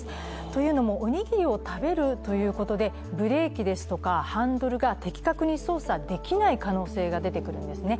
というのも、おにぎりを食べることで、ブレーキですとかハンドルが的確に操作できない可能性が出てくるんですね。